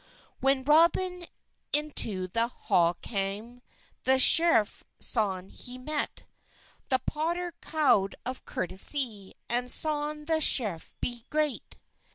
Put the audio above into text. Whan Roben ynto the hall cam, The screffe sone he met; The potter cowed of corteysey, And sone the screffe he gret.